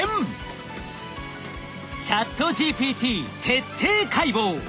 ＣｈａｔＧＰＴ徹底解剖！